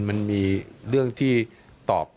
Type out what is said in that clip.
มันมีเรื่องที่ตอบ